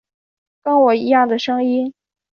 跟我一样的声音